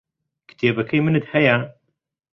کتێبەکەی منت هەیە؟